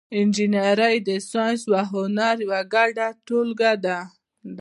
انجنیری د ساینس او هنر یوه ګډه ټولګه ده.